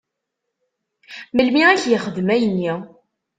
Melmi i k-yexdem ayenni?